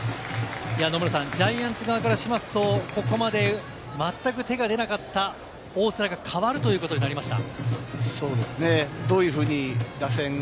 野村さん、ジャイアンツ側からしますと、ここまでまったく手が出なかった大瀬良が代わるということになりました。